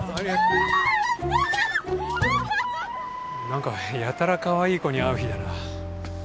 なんかやたらかわいい子に会う日だな。